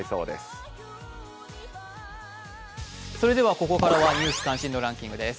ここからは「ニュース関心度ランキング」です。